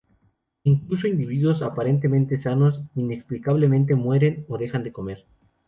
Incluso individuos aparentemente sanos inexplicablemente mueren o dejan de comer.